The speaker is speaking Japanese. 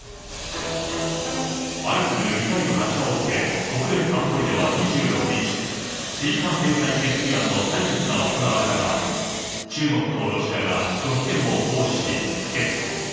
相次ぐミサイル発射を受け、国連安保理では２６日、追加制裁決議案の採決が行われたが、中国とロシアが拒否権を行使し、否決。